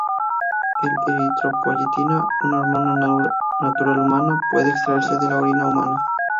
La eritropoyetina, una hormona natural humana, puede extraerse de la orina humana.